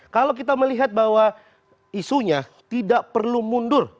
kalau kita melihat bahwa isunya tidak perlu mundur